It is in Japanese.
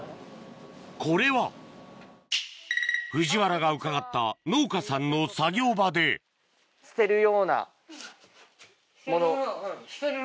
これは藤原が伺った農家さんの捨てるようなもの。